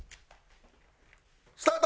スタート！